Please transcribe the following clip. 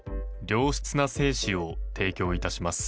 良質な精子を提供いたします。